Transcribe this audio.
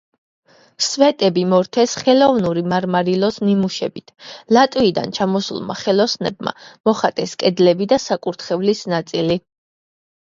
სვეტები მორთეს ხელოვნური მარმარილოს ნიმუშებით, ლატვიიდან ჩამოსულმა ხელოსნებმა მოხატეს კედლები და საკურთხევლის ნაწილი.